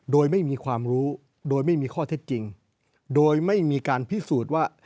โดยไม่มีความรู้โดยไม่มีข้อเท็จจริงโดยไม่มีการพิสูจน์ว่า